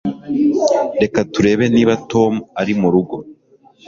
Reka turebe niba Tom ari murugo